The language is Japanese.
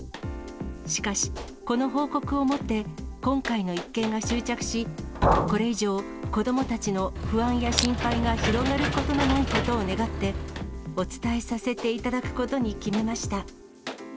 しかし、この報告をもって今回の一件が終着し、これ以上、子どもたちの不安や心配が広がることのないことを願って、お伝えさせていただくことに決めました。